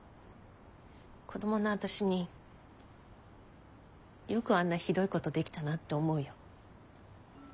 子供の私によくあんなひどいことできたなって思うよ。